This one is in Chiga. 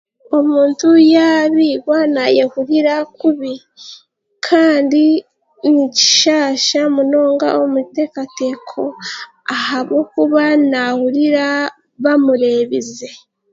Omuntu y'abeihwa nayehurira kubi kandi nikishaasha munonga omu bitekateeko ahabw'okuba nahurira bamurebize.